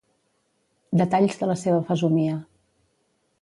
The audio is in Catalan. — detalls de la seva fesomia.